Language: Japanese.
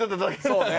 そうね。